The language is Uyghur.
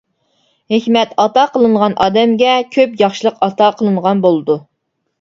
ھېكمەت ئاتا قىلىنغان ئادەمگە كۆپ ياخشىلىق ئاتا قىلىنغان بولىدۇ.